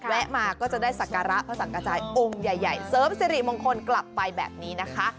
มาก็จะได้สักการะพระสังกระจายองค์ใหญ่เสริมสิริมงคลกลับไปแบบนี้นะคะ